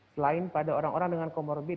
selain pada orang orang dengan comorbid